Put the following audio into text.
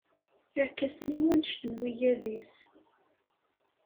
Irkasen-iw anect n wigad-is.